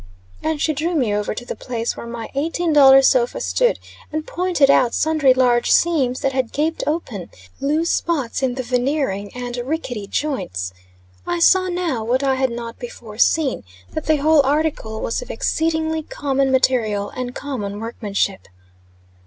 And she drew me over to the place where my eighteen dollar sofa stood, and pointed out sundry large seams that had gaped open, loose spots in the veneering, and rickety joints. I saw now, what I had not before seen, that the whole article was of exceedingly common material and common workmanship.